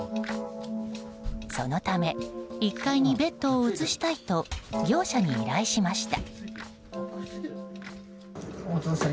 そのため１階にベッドを移したいと業者に依頼しました。